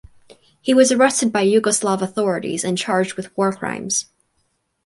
He was arrested by Yugoslav authorities and charged with war crimes.